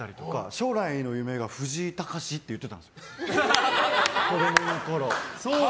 将来の夢が藤井隆って言ってたんです、子供のころ。